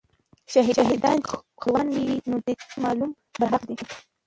شهیدان چې خپلوان یې نه دي معلوم، برحق دي.